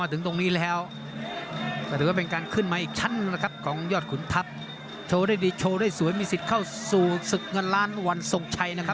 ทั้งโคบี้ทั้ง